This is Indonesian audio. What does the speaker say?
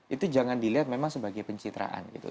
itu jangan dilihat memang sebagai pencitraan gitu